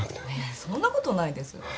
そんなことないです。